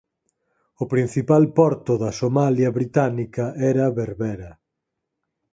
O principal porto da Somalia británica era Berbera.